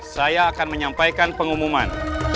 saya akan menyampaikan pengumuman